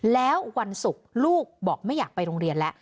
แล้ววันศุกร์ลูกบอกไม่อยากไปโรงเรียนแล้ว